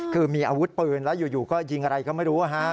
คือมีอาวุธปืนแล้วอยู่ก็ยิงอะไรก็ไม่รู้